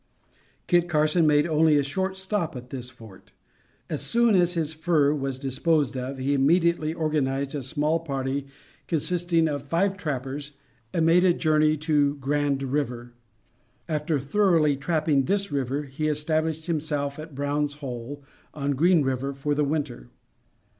Kit Carson made only a short stop at this Fort. As soon as his fur was disposed of, he immediately organized a small party consisting of five trappers and made a journey to Grand River. After thoroughly trapping this river, he established himself at Brown's Hole on Green River for the winter.